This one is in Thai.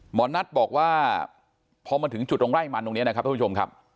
หมอนัทบอกว่าพอมาถึงจุดตรงไร่มันตรงนี้นะครับท่านผู้ชมครับ